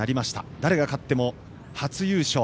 誰が勝っても初優勝。